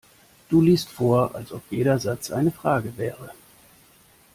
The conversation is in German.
Du liest vor, als ob jeder Satz eine Frage wäre.